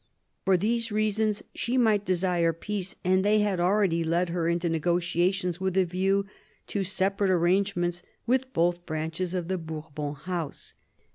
For these reasons she might desire peace, and they had already led her into negotiations with a view to separate arrangements with both branches of the Bourbon House.